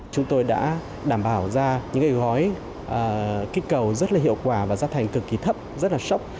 chúng tôi đã đảm bảo ra những gói kích cầu rất là hiệu quả và giá thành cực kỳ thấp rất là sốc